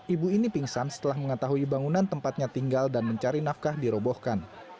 ibu ini pingsan setelah mengetahui bangunan tempatnya tinggal dan mencari nafkah dirobohkan